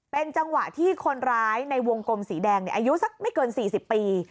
เป็นจังหวะที่คนร้ายในวงกลมสีแดงอายุสักไม่เกิน๔๐ปี